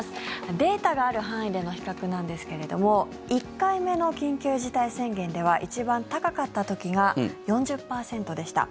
データがある範囲での比較なんですけれども１回目の緊急事態宣言では一番高かった時が４０％でした。